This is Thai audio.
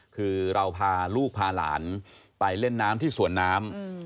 คือเราพาลูกพาหลานไปเล่นน้ำที่สวนน้ำ